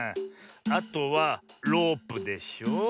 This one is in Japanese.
あとはロープでしょ。